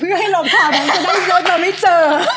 เพื่อให้ลงข่าวนั้นจะได้รถเราไม่เจอ